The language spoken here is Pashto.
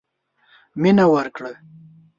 مينه ورکړه.